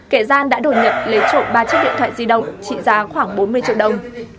kẻ gian đã đột nhập lấy trộm ba chiếc điện thoại di động trị giá khoảng bốn mươi triệu đồng